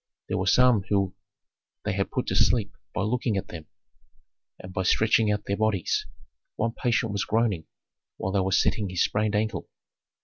There were some whom they had put to sleep by looking at them and by stretching out their bodies; one patient was groaning while they were setting his sprained ankle.